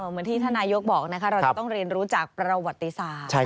เหมือนที่ท่านนายกบอกนะคะเราจะต้องเรียนรู้จากประวัติศาสตร์